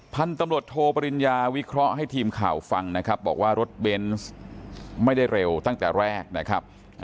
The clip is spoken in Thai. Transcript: พันธุ์ตำรวจโทปริญญาวิเคราะห์ให้ทีมข่าวฟังนะครับบอกว่ารถเบนส์ไม่ได้เร็วตั้งแต่แรกนะครับ